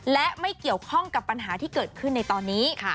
และไม่เกี่ยวข้องกับปัญหาที่เกิดขึ้นในตอนนี้